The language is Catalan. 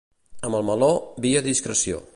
Amb el meló, vi a discreció.